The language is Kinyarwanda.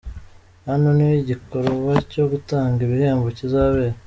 Hano niho iki gikorwa cyo gutanga ibihembo kizabera.